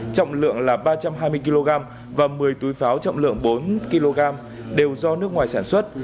trọng lượng là ba trăm hai mươi kg và một mươi túi pháo trọng lượng bốn kg đều do nước ngoài sản xuất